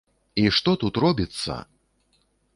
І што тут робіцца!